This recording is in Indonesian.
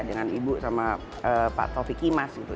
dengan ibu sama pak taufik kimas gitu